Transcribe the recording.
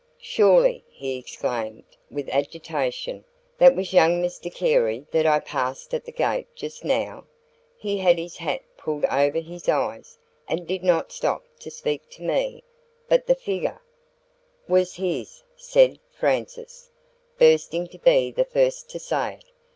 "Surely," he exclaimed, with agitation, "that was young Mr Carey that I passed at the gate just now? He had his hat pulled over his eyes, and did not stop to speak to me; but the figure " "Was his," said Frances, bursting to be the first to say it.